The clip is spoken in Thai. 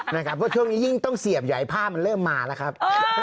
เพราะว่าช่วงนี้ยิ่งต้องเสียบอย่างไอ้ภาพมันเริ่มมาล่ะครับ